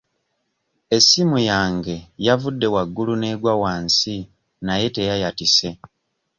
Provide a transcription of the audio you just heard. Essimu yange yavudde waggulu n'egwa wansi naye teyayatise.